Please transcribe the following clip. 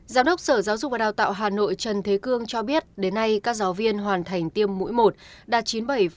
giám đốc sở giáo dục và đào tạo hà nội trần thế cương cho biết đến nay các giáo viên hoàn thành tiêm mũi một đạt chín mươi bảy ba